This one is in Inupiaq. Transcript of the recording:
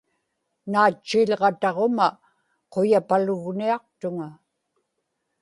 naatchiḷġataġuma quyapalugniaqtuŋa